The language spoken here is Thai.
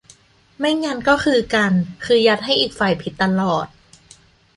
ไม่งั้นก็คือกัน คือยัดให้อีกฝ่ายผิดตลอด